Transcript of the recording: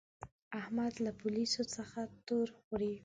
احمد له پوليسو څخه تور خوري.